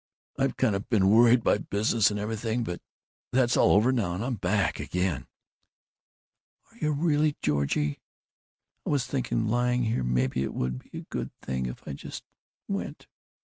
I've kind of been worried by business and everything, but that's all over now, and I'm back again." "Are you really? George, I was thinking, lying here, maybe it would be a good thing if I just went.